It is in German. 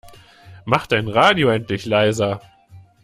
Mach dein Radio endlich leiser!